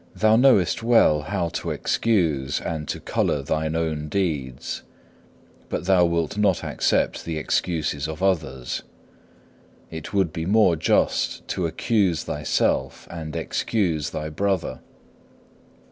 2. Thou knowest well how to excuse and to colour thine own deeds, but thou wilt not accept the excuses of others. It would be more just to accuse thyself and excuse thy brother.